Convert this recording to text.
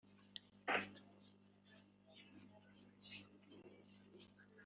Ibimenyetso byose bitangwa ntibyerekana uwibye amafaranga